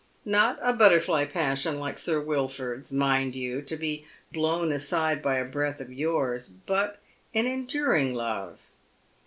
Not a butterfly' passion like Sir Wilford's, mind you, to be blown aside by a breath of yours, but an enduring love.